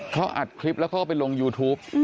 เขาอัดคลิปแล้วเขาก็ไปลงยูทูป